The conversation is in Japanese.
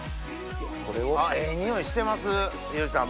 ええ匂いしてます有司さん